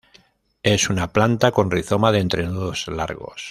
Es una planta con rizoma de entrenudos largos.